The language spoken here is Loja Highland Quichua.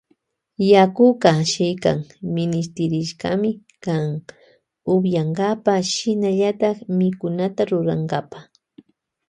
Yakuka shikan minishtirishkami kan upiyankapa shinallata mikunata rurankapa.